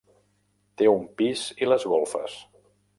Té un pis i les golfes.